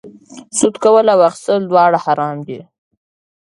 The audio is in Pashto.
سود کول او اخیستل دواړه حرام دي